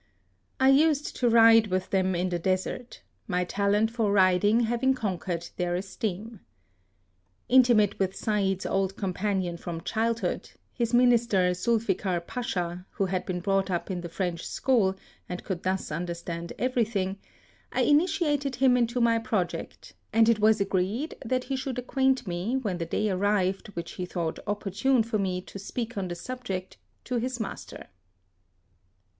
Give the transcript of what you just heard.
I used to ride with them in the desert, my talent 12 HISTORY OP for riding having conquered their esteem. Intimate with Said's old companion from childhood, his minister, Zulfikar Pacha, who had been brought up in the French school, and could thus understand everything, I initiated him into my project, and it was agreed that he should acquaint me when the day arrived which he thought oppor tune for me to speak on the subject to his master.